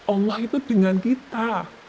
allah itu dengan kita